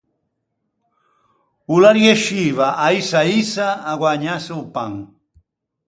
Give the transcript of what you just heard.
O l’arriësciva à ïsa à ïsa à guägnâse o pan.